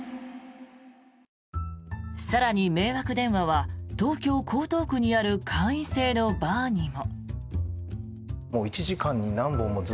更に迷惑電話は東京・江東区にある会員制のバーにも。